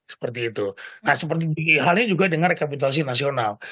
seperti itu nah seperti halnya juga dengan rekapitulasi nasional